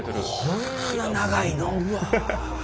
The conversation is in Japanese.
こんな長いの？